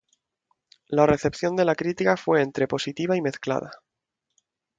La recepción de la crítica fue entre positiva y mezclada.